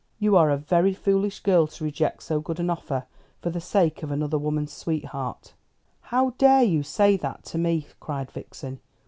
You are a very foolish girl to reject so good an offer for the sake of another woman's sweetheart." "How dare you say that to me?" cried Vixen.